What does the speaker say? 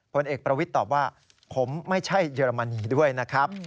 ผลเอกประวิทย์ตอบว่าผมไม่ใช่เยอรมนีด้วยนะครับ